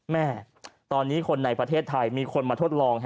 แม่ตอนนี้คนในประเทศไทยมีคนมาทดลอง